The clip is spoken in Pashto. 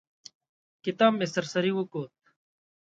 کتاب مې سر سري وکوت.